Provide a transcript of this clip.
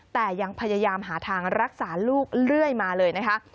แต่ยังพยายามหาทางรักษาลูกเรื่อยมาเลยนะคะ